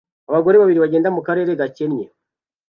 abagore babiri bagenda mukarere gakennye